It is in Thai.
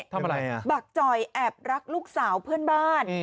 ทำอะไรอ่ะบักจ่อยแอบรักลูกสาวเพื่อนบ้าน